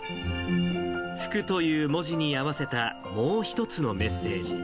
福という文字に合わせたもう一つのメッセージ。